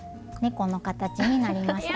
この形になりました。